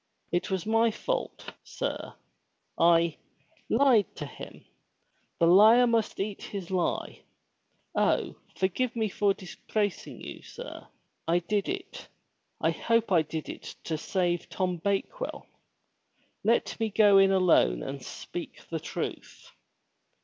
It was my fault, sir ; I — lied to him — the liar must eat his lie. Oh, forgive me for disgracing you, sir. I did it — I hope I did it to save Tom Bakewell. Let me go in alone and speak the truth."